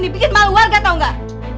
ke sini bikin malu warga tau gak